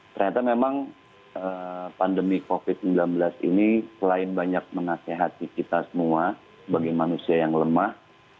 ternyata memang pandemi covid sembilan belas ini selain banyak menasehati kita semua bagi manusia yang lemah